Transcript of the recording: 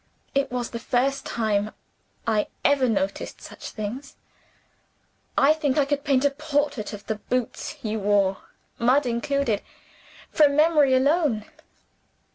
It was the first time I ever noticed such things. I think I could paint a portrait of the boots you wore (mud included), from memory alone.